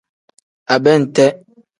Abente.